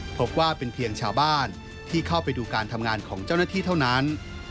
พบว่าเป็นเพียงชาวบ้านที่เข้าไปดูการทำงานของเจ้าหน้าที่เท่านั้น